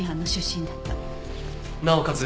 なおかつ